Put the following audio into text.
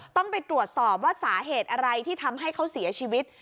ต้องไปตรวจสอบว่าสาเหตุอะไรที่ทำให้เขาเสียชีวิต